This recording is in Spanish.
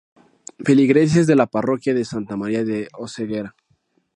Feligreses de la parroquia de Santa María de Oseguera.